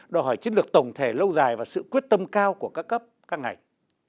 đòi hỏi chiến lược tổng thể lâu dài và sự quyết tâm cao của các cấp các ngành